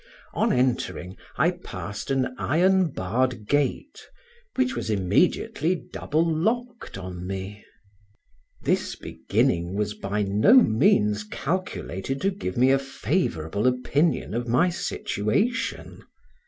On entering, I passed an iron barred gate, which was immediately double locked on me; this beginning was by no means calculated to give me a favorable opinion of my situation.